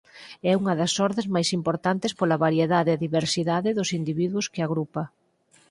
É unha das ordes máis importantes pola variedade e diversidade dos individuos que agrupa.